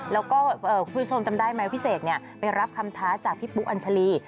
แล้วก็คุณผู้ชมจำได้ไหมพี่เสกไปรับคำท้าจากพี่ปุ๊อัญชาลี